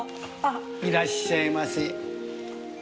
いらっしゃいませ。